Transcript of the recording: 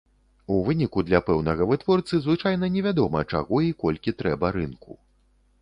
У выніку для пэўнага вытворцы звычайна невядома, чаго і колькі трэба рынку.